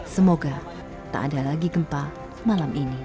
semoga tak ada lagi gempa malam ini